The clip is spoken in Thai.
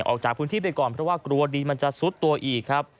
ออกจากพื้นที่ไปก่อนเพราะว่ากลัวดินมันจะซุดตัวอีกครับ